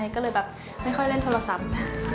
ก็เลยแบบไม่ค่อยเล่นโทรศัพท์